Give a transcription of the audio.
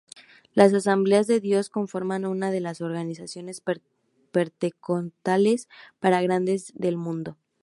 Las Asambleas de Dios conforman una de las organizaciones pentecostales más grandes del mundo.